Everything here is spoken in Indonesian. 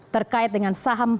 terkait dengan saham